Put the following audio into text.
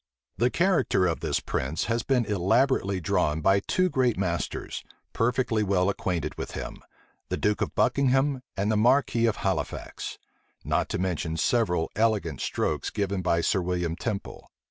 The character of this prince has been elaborately drawn by two great masters, perfectly well acquainted with him, the duke of Buckingham and the marquis of Halifax; not to mention several elegant strokes given by Sir William Temple.